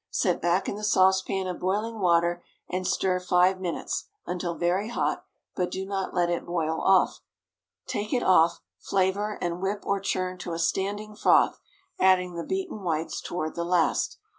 Set back in the saucepan of boiling water, and stir five minutes, until very hot, but do not let it boil. Take it off, flavor, and whip or churn to a standing froth, adding the beaten whites toward the last.